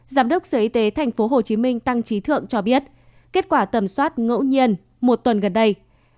giám đốc sở y tế tp hcm tăng trí thượng cho biết kết quả tầm soát ngẫu nhiên một tuần gần đây